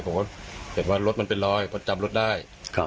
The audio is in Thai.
ผมก็เห็นว่ารถมันเป็นรอยเพราะจำรถได้